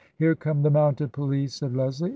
" Here come the mounted police !" said Leslie.